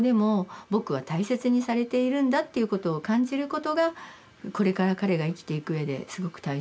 「僕は大切にされているんだ」っていうことを感じることがこれから彼が生きていくうえですごく大切なことで。